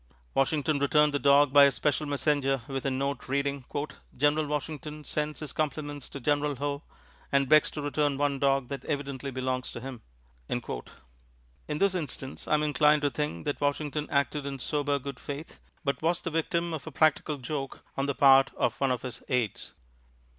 Washington returned the dog by a special messenger with a note reading, "General Washington sends his compliments to General Howe, and begs to return one dog that evidently belongs to him." In this instance, I am inclined to think that Washington acted in sober good faith, but was the victim of a practical joke on the part of one of his aides.